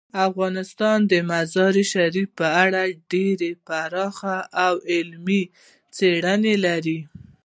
افغانستان د مزارشریف په اړه ډیرې پراخې او علمي څېړنې لري.